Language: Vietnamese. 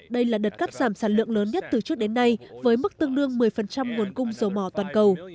đây là đợt cắt giảm sản lượng lớn nhất từ trước đến nay với mức tương đương một mươi nguồn cung dầu mỏ toàn cầu